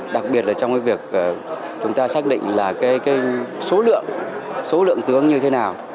đặc biệt là trong cái việc chúng ta xác định là cái số lượng tướng như thế nào